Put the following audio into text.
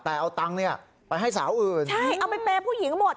แต่เอาตังค์เนี่ยไปให้สาวอื่นใช่เอาไปเปย์ผู้หญิงหมด